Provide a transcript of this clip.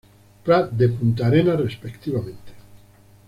Prat de Punta Arenas respectivamente.